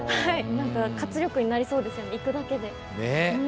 なんか活力になりそうですよね行くだけで。ね。